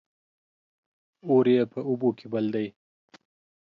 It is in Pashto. اور يې په اوبو کې بل دى